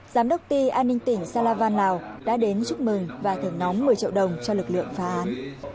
giám đốc ti an ninh tỉnh salavan lào đã đến chúc mừng và thưởng nóng một mươi triệu đồng cho lực lượng phá án